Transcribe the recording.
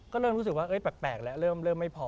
ก็เริ่มรู้สึกว่าแปลกแล้วเริ่มไม่พอ